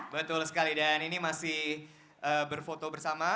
betul sekali dan ini masih berfoto bersama